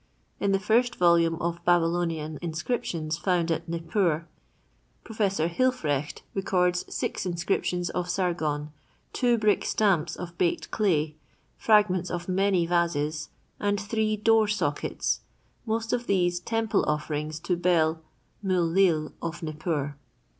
In the first volume of Babylonian inscriptions found at Nippur, Prof. Hilfrecht records six inscriptions of Sargon, two brick stamps of baked clay, fragments of many vases and three door sockets, most of these temple offerings to Bel—Mul lil, of Nippur.